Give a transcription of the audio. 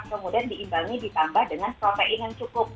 kemudian diimbang ini ditambah dengan protein yang cukup